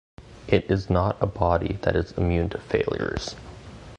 It is not a body that is immune to failures.